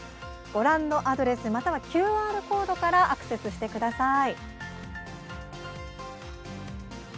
ご覧のアドレスまたはＱＲコードからアクセスしてください。